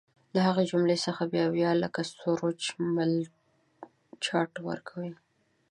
له هغې جملې څخه به اویا لکه سورج مل جاټ ورکوي.